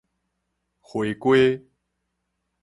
花瓜